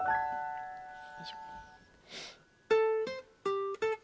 よいしょ。